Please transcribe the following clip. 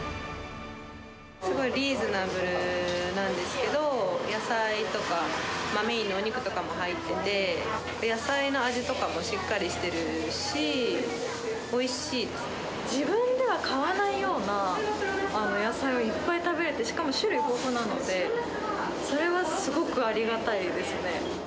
すごいリーズナブルなんですけど、野菜とかメインのお肉とかも入ってて、野菜の味とかもしっかりし自分では買わないような野菜をいっぱい食べれて、しかも種類豊富なので、それはすごくありがたいですね。